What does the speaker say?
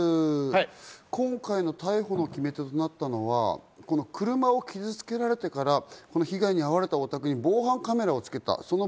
今回の逮捕の決め手となったのは、車を傷付けられてから、被害に遭われたお宅に防犯カメラをつけた。